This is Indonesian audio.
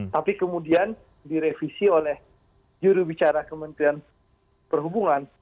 tapi kemudian direvisi oleh jurubicara kementerian perhubungan